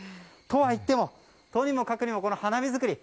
とはいっても、とにもかくにも花火作り。